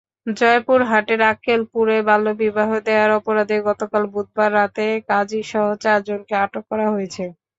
জয়পুরহাটের আক্কেলপুরে বাল্যবিবাহ দেওয়ার অপরাধে গতকাল বুধবার রাতে কাজিসহ চারজনকে আটক করা হয়েছে।